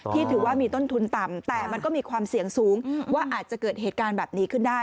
ถือว่ามีต้นทุนต่ำแต่มันก็มีความเสี่ยงสูงว่าอาจจะเกิดเหตุการณ์แบบนี้ขึ้นได้